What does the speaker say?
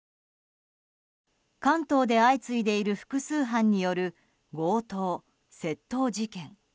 関東で相次いでいる複数犯による強盗・窃盗事件。